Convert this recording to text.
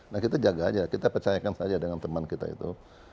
nah kita jaga aja kita percayakan saja dengan teman kita itu